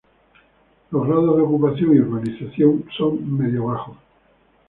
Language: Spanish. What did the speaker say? Los grados de ocupación y urbanización son medio-bajos.